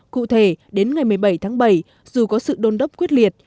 cụ thể đến ngày một mươi bảy tháng bảy dù có sự đôn đốc quyết liệt